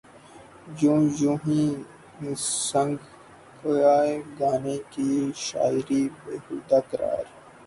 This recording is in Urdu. یو یو ہنی سنگھ کے گانے کی شاعری بیہودہ قرار